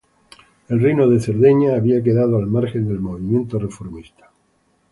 El reino de Cerdeña había quedado al margen del movimiento reformista.